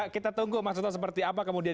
oke kita tunggu mas loto seperti apa kemudian